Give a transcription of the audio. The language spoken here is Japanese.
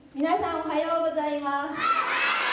おはようございます。